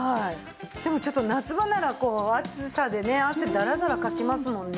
でもちょっと夏場なら暑さで汗ダラダラかきますもんね。